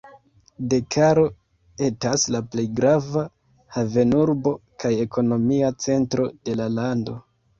Dakaro etas la plej grava havenurbo kaj ekonomia centro de la lando.